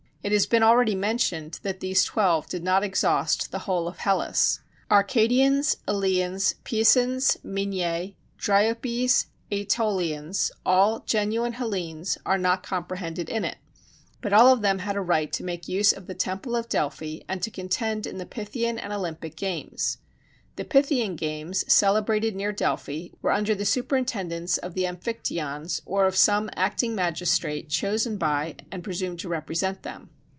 It has been already mentioned that these twelve did not exhaust the whole of Hellas. Arcadians, Eleans, Pisans, Minyæ, Dryopes, Ætolians, all genuine Hellenes, are not comprehended in it; but all of them had a right to make use of the temple of Delphi, and to contend in the Pythian and Olympic games. The Pythian games, celebrated near Delphi, were under the superintendence of the Amphictyons, or of some acting magistrate chosen by and presumed to represent them.